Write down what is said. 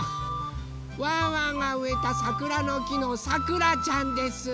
ワンワンがうえたさくらのきのさくらちゃんです。